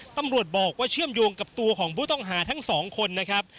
ตำรวจบอกว่าเชื่อมโยงกับตัวของผู้ต้องหาทั้งสองคนนะครับ